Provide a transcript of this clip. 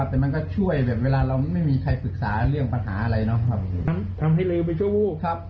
อ๋อผมเอาไปซื้อยานะครับ